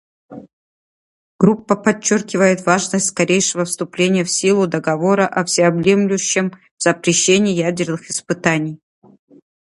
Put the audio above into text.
Группа подчеркивает важность скорейшего вступления в силу Договора о всеобъемлющем запрещении ядерных испытаний.